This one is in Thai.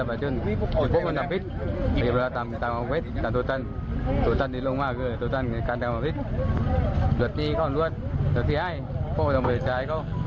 พวกมันต้องเบิดใจเขา